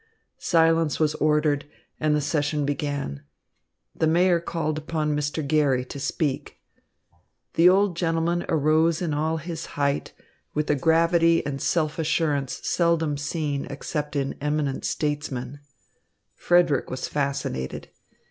Silence was ordered, and the session began. The Mayor called upon Mr. Garry to speak. The old gentleman arose in all his height, with a gravity and self assurance seldom seen except in eminent statesmen. Frederick was fascinated.